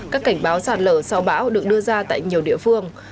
các cảnh báo sạt lở sau bão được đưa ra tại nhiều địa phương